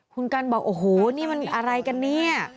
คุณกันบอกโอ้โหนี่มันอะไรกันเนี่ย